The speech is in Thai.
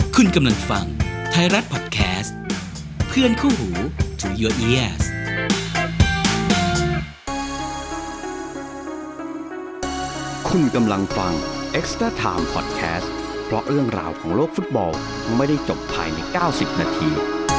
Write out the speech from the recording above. คุณกำลังฟังไทยรัฐพอดแคสต์เพื่อนคู่หูที่คุณกำลังฟังพอดแคสต์บล็อกเรื่องราวของโลกฟุตบอลไม่ได้จบภายในเก้าสิบนาที